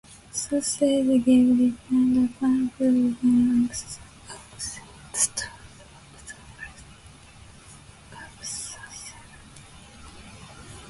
Sources give different accounts of the ancestors of the Earls of Sutherland.